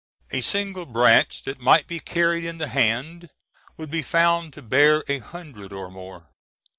A single branch that might be carried in the hand would be found to bear a hundred or more.